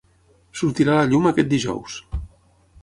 Sortirà a la llum aquest dijous.